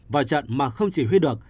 vào trận mà không chỉ huy được